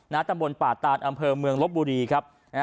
นะฮะตะบนป่าตาลอำเภอเมืองลบบุรีครับนะฮะ